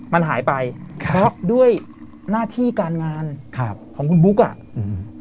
มันหายไปครับเพราะด้วยหน้าที่การงานครับของคุณบุ๊กอ่ะอืม